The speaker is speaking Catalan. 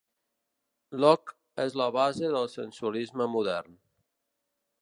Locke és la base del sensualisme modern.